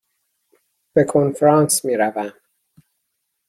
به کنفرانس می روم.